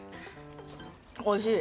おいしい？